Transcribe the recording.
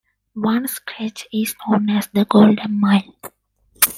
One stretch is known as "The Golden Mile".